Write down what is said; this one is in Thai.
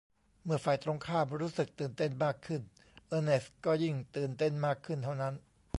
เมื่อฝ่ายตรงข้ามรู้สึกตื่นเต้นมากขึ้น เออร์เนสต์ก็ยิ่งตื่นเต้นมากขึ้นเท่านั้น